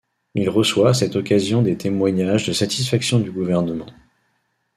Il reçoit à cette occasion des témoignages de satisfaction du gouvernement.